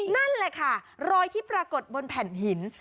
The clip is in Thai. นั่นแหละค่ะรอยที่ปรากฏบนแผ่นหิน